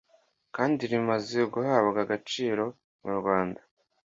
kandi rimaze guhabwa agaciro mu Rwanda,